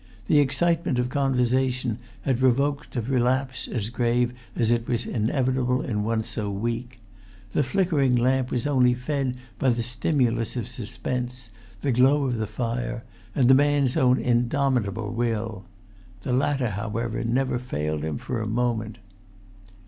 The excitement of conversation had provoked a relapse as grave as it was inevitable in one so weak. The flickering lamp was only fed by the stimulus of suspense, the glow of the fire, and the man's own in[Pg 224]domitable will. The latter, however, never failed him for a moment.